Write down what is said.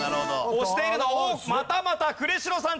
押しているのはおっまたまた呉城さん。